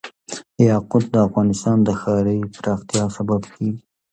یاقوت د افغانستان د ښاري پراختیا سبب کېږي.